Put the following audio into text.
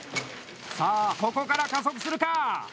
さあ、ここから加速するか！